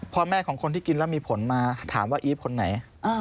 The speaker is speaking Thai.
พ่อแม่ของคนที่กินแล้วมีผลมาถามว่าอีฟคนไหน